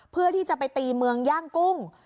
เพื่อที่จะไปตีเมืองย่างกุ้ง